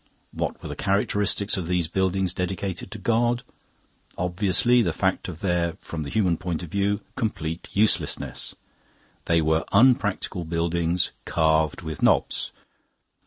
What were the characteristics of these buildings dedicated to God? Obviously, the fact of their, from a human point of view, complete uselessness. They were unpractical buildings "carved with knops."